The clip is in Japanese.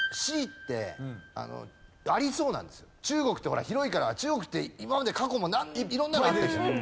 中国って広いから中国って今まで過去も色んなのあったじゃない。